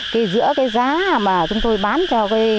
cái giữa cái giá mà chúng tôi bán cho cái